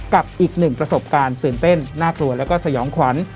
กับอีกหนึ่งประสบการณ์ตื่นเต้นน่ากลัวแล้วก็สยองขวัญ